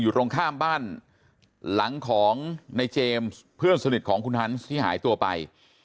ตรงข้ามบ้านหลังของในเจมส์เพื่อนสนิทของคุณฮันส์ที่หายตัวไป